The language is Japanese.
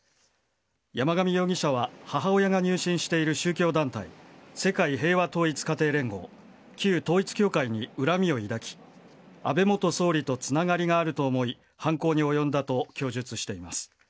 山上容疑者は、母親が入信している宗教団体、世界平和統一家庭連合・旧統一教会に恨みを抱き、安倍元総理とつながりがあると思い、犯行に及んだと供述しています。